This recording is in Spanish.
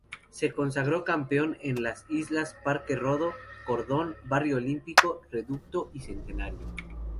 Se consagró campeón en las ligas Parque Rodó, Cordón, Barrio Olímpico, Reducto y Centenario.